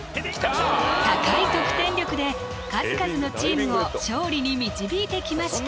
高い得点力で数々のチームを勝利に導いてきました